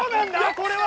これは。